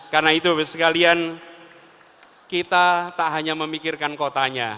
karena itu bapak ibu sekalian kita tak hanya memikirkan kotanya